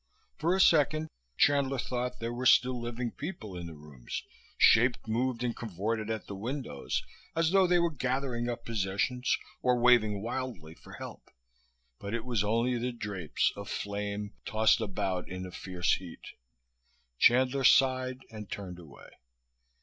For a second Chandler thought there were still living people in the rooms shapes moved and cavorted at the windows, as though they were gathering up possessions or waving wildly for help. But it was only the drapes, aflame, tossed about in the fierce heat. Chandler sighed and turned away.